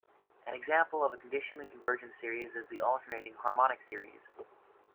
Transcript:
An example of a conditionally convergent series is the alternating harmonic series.